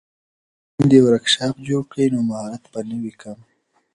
که میندې ورکشاپ جوړ کړي نو مهارت به نه وي کم.